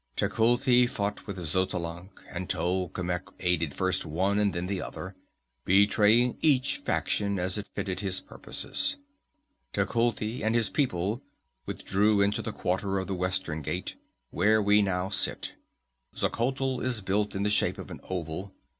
Tecuhltli fought with Xotalanc, and Tolkemec aided first one and then the other, betraying each faction as it fitted his purposes. Tecuhltli and his people withdrew into the quarter of the western gate, where we now sit. Xuchotl is built in the shape of an oval.